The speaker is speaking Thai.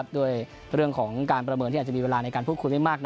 ด้วยเรื่องของการประเมินที่อาจจะมีเวลาในการพูดคุยไม่มาก